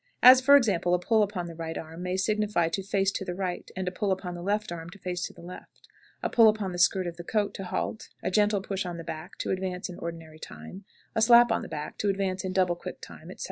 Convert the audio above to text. As, for example, a pull upon the right arm may signify to face to the right, and a pull upon the left arm to face to the left; a pull upon the skirt of the coat, to halt; a gentle push on the back, to advance in ordinary time; a slap on the back, to advance in double quick time, etc.